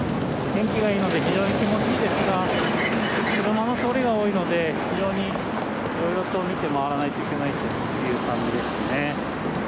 天気がいいので非常に気持ちがいいですが車の通りが多いので様子を見てまわらないといけない感じですね。